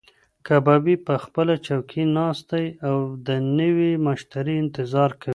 کبابي په خپله چوکۍ ناست دی او د نوي مشتري انتظار کوي.